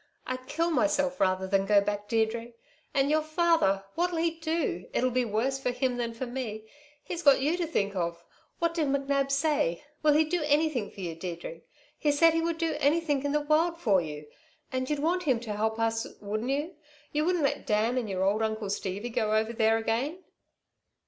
I'd kill myself rather than go back, Deirdre. And your father! What'll he do? It'll be worse for him than for me. He's got you to think of. What did McNab say? Will he do anything for you, Deirdre? He said he would do anything in the world for you. And you'd want him to help us, wouldn't you? You wouldn't let Dan and y'r old Uncle Stevie, go over there again?"